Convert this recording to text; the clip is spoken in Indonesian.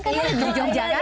kan kalian dari jogja kan